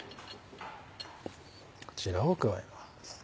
こちらを加えます。